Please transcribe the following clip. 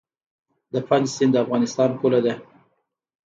د پنج سیند د افغانستان پوله ده